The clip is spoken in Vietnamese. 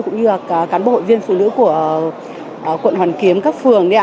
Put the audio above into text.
cũng như là cán bộ viên phụ nữ của quận hoàn kiếm các phường